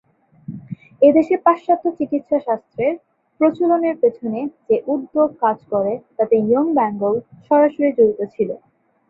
এদেশে পাশ্চাত্য চিকিৎসা শাস্ত্রের প্রচলনের পেছনে যে উদ্যোগ কাজ করে তাতে ইয়ং বেঙ্গল সরাসরি জড়িত ছিল।